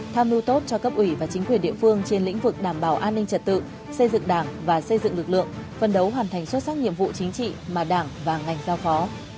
tham mưu tốt cho cấp ủy và chính quyền địa phương trên lĩnh vực đảm bảo an ninh trật tự xây dựng đảng và xây dựng lực lượng phân đấu hoàn thành xuất sắc nhiệm vụ chính trị mà đảng và ngành giao phó